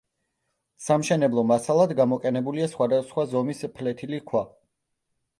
სამშენებლო მასალად გამოყენებულია სხვადასხვა ზომის ფლეთილი ქვა.